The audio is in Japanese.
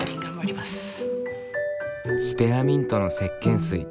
スペアミントのせっけん水。